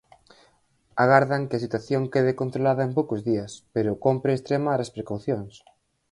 Agardan que a situación quede controlada en poucos días, pero cómpre extremar as precaucións.